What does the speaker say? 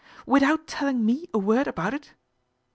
' Without telling me a word about it."